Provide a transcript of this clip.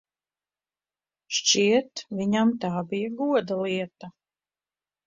Šķiet, viņam tā bija goda lieta.